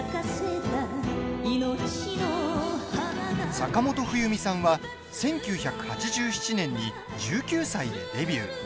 坂本冬美さんは１９８７年に１９歳でデビュー。